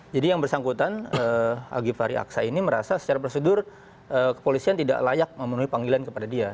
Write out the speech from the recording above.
jadi yang bersangkutan alkifari aksa ini merasa secara prosedur kepolisian tidak layak memenuhi panggilan kepada dia